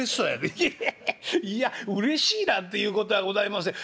「イヒヒいやうれしいなんていうことはございません。